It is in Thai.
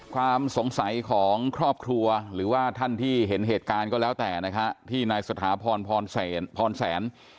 ความสงสัยของครอบครัวหรือว่าท่านที่เห็นเหตุการณ์ก็แล้วแต่นะฮะที่นายสถาพรพรแสน